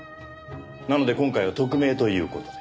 なので今回は特命という事で。